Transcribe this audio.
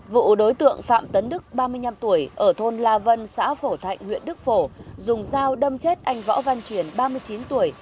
vụ đối tượng phạm tấn đức ba mươi năm tuổi ở thôn la vân xã phổ thạnh huyện đức phổ dùng dao đâm chết anh võ văn truyền ba mươi chín tuổi